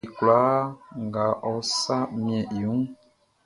Ɔ le like kwlaa nga ɔ sa miɛn i wunʼn.